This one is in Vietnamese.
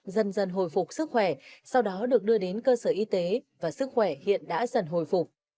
dần dần hồi phục sức khỏe sau đó được đưa đến cơ sở y tế và sức khỏe hiện đã dần hồi phục